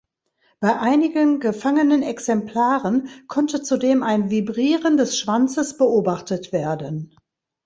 Bei einigen gefangenen Exemplaren konnte zudem ein Vibrieren des Schwanzes beobachtet werden.